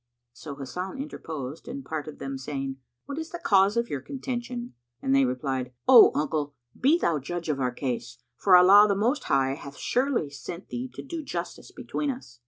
So Hasan interposed and parted them, saying, "What is the cause of your contention?" and they replied, "O uncle, be thou judge of our case, for Allah the Most High hath surely sent thee to do justice between us."